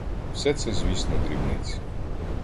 Все це, звісно, дрібниці.